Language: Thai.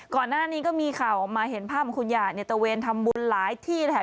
ก่อนหน้านี้ก็มีข่าวออกมาเห็นภาพของคุณหย่าเนี่ยตะเวนทำบุญหลายที่แหละ